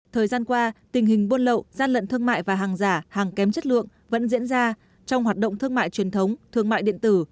thời gian qua tình hình buôn lậu gian lận thương mại và hàng giả hàng kém chất lượng vẫn diễn ra trong hoạt động thương mại truyền thống thương mại điện tử